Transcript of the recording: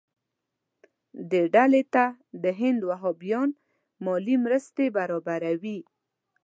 دې ډلې ته د هند وهابیان مالي مرستې برابروي.